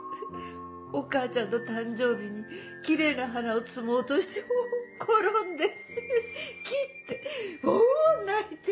お母ちゃんの誕生日にキレイな花を摘もうとして転んで切っておんおん泣いて。